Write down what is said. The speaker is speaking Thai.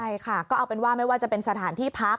ใช่ค่ะก็เอาเป็นว่าไม่ว่าจะเป็นสถานที่พัก